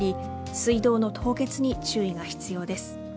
水道の凍結に注意が必要です。